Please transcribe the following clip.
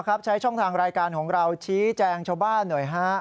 ใช้ช่องทางรายการของเราชี้แจงชาวบ้านหน่อยฮะ